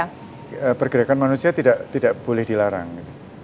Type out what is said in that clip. karena pergerakan manusia tidak boleh dilarang gitu